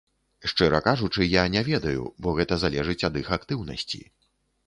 Шчыра кажучы, я не ведаю, бо гэта залежыць ад іх актыўнасці.